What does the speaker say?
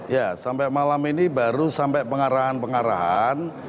ya sampai malam ini baru sampai pengarahan pengarahan